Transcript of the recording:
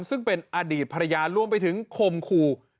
ซึ่งเป็นอดีตภรรยารวมไปถึงคมขู่